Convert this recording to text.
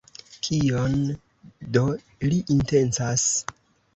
Kion do li intencas?